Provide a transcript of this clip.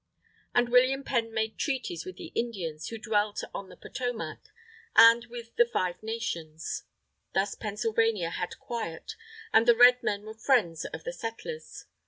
And William Penn made treaties with the Indians who dwelt on the Potomac, and with the Five Nations. Thus Pennsylvania had quiet; and the Red Men were friends of the settlers.